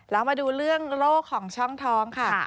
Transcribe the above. แล้วมาดูเรื่องโรคของช่องท้องค่ะ